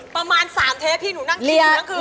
ประมาณ๓เทปที่หนูนั่งกินอยู่นั่นคือ